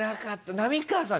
浪川さん